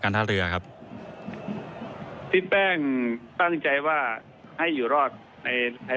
ท่าเรือครับทิศแป้งตั้งใจว่าให้อยู่รอดในใน